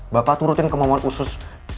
bapak turutin kemohon usus